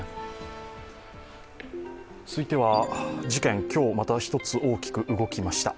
続いては事件、今日またひとつ大きく動きました。